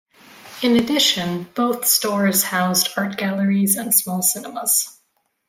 In addition, both stores housed art galleries and small cinemas.